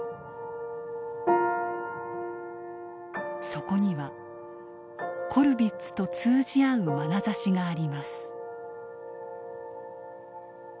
そこにはコルヴィッツと通じ合うまなざしがあります。